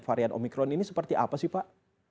varian omikron ini seperti apa sih pak